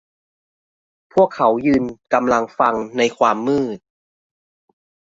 พวกเขายืนกำลังฟังในความมืด